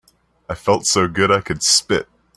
I feel so good I could spit.